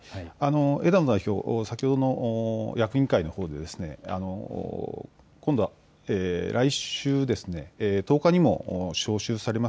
枝野代表、先ほどの役員会のほうで来週１０日にも召集されます